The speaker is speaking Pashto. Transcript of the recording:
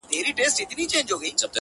شېخ د خړپا خبري پټي ساتي.